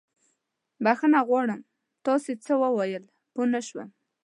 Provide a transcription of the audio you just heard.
بښنه غواړم، تاسې څه وويل؟ پوه نه شوم.